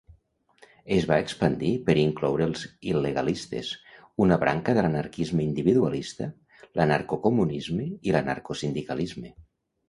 Es va expandir per incloure els il·legalistes, una branca de l'anarquisme individualista, l'anarcocomunisme i l'anarcosindicalisme.